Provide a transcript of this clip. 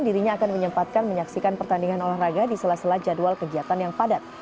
dirinya akan menyempatkan menyaksikan pertandingan olahraga di sela sela jadwal kegiatan yang padat